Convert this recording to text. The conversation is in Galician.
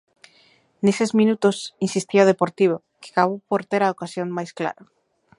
Neses minutos insistía o Deportivo, que acabou por ter a ocasión máis clara.